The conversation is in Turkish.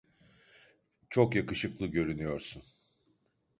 Çok yakışıklı görünüyorsun.